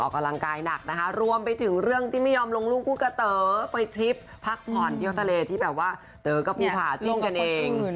กำลังกายหนักนะคะรวมไปถึงเรื่องที่ไม่ยอมลงลูกคู่กะเต๋อไปทริปพักผ่อนเที่ยวทะเลที่แบบว่าเต๋อกับภูผ่าจิ้นกันเอง